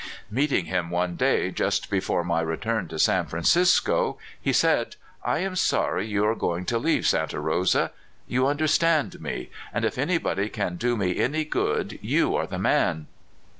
Meeting him one day, just before my return to San Francisco, he said: I am sorry you are going to leave Santa Rosa. You understand me; and if anybody can do me any good, you are the man."